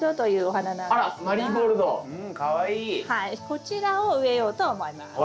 こちらを植えようと思います。